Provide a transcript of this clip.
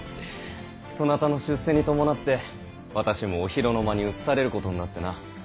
そなたの出世に伴って私もお広の間に移されることになってな。